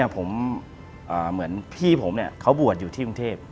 ผมเหมือนพี่ผมเขาบวชอยู่ที่กรุงเทพ